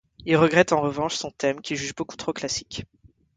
Il regrette en revanche son thème, qu’il juge beaucoup trop classique.